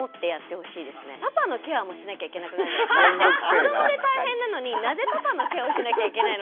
子どもで大変なのになぜパパのケアをしなきゃいけないの？